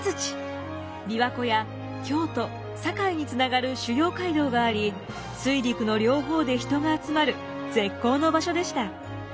琵琶湖や京都堺につながる主要街道があり水陸の両方で人が集まる絶好の場所でした。